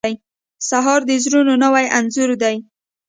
سهار د زړونو نوی انځور دی.